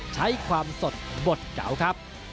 ใช้ความสดบทเก่าครับ